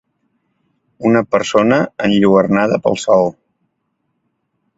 Una persona enlluernada pel sol.